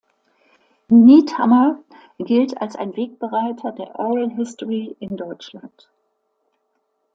Niethammer gilt als ein Wegbereiter der Oral History in Deutschland.